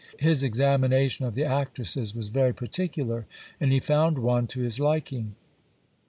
His examination of the actresses was very particular, and he found one to his liking.